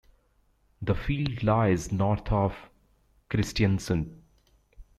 The field lies north of Kristiansund.